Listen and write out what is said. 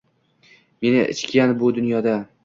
Meni ichgan bu dunyoda